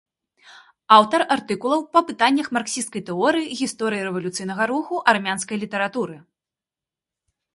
Аўтар артыкулаў па пытаннях марксісцкай тэорыі, гісторыі рэвалюцыйнага руху, армянскай літаратуры.